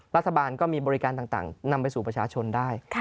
รัฐบาลก็มีบริการต่างนำไปสู่ประชาชนได้